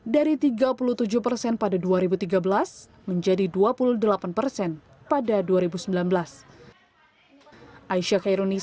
dari tiga puluh tujuh persen pada dua ribu tiga belas menjadi dua puluh delapan persen pada dua ribu sembilan belas